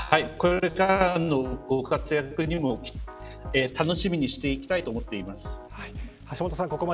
これからのご活躍も楽しみにしていきたいと思っています。